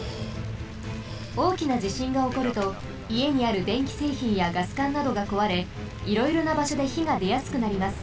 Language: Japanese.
おおきなじしんがおこるといえにあるでんきせいひんやガスかんなどがこわれいろいろなばしょでひがでやすくなります。